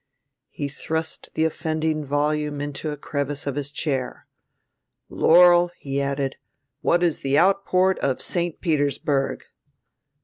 He thrust the offending volume into a crevice of his chair. "Laurel," he added, "what is the outport of St. Petersburg?"